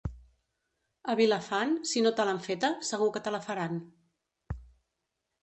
A Vilafant, si no te l'han feta, segur que te la faran.